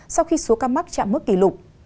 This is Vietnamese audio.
sau khi số ca mắc chạm mức kỷ lục